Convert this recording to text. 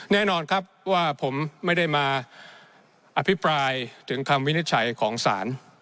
แน่นอนครับว่าผมไม่ได้มาอภิปรายถึงคำวินิจฉัยของศาล